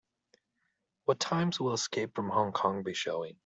What times will Escape from Hong Kong be showing?